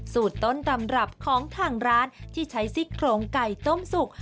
สูตรต้นตำรับของทางร้านที่ใช้ซี่โครงไก่ต้มสุก